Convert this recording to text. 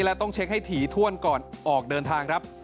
และต้องเช็คให้ถี่ถ้วนก่อนออกเดินทางครับ